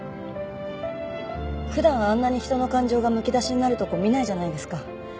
普段あんなに人の感情がむき出しになるとこ見ないじゃないですか。